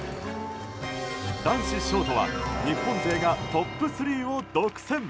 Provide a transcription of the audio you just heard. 男子ショートは日本勢がトップ３を独占。